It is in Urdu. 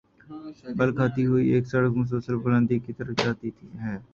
بل کھاتی ہوئی ایک سڑک مسلسل بلندی کی طرف جاتی ہے۔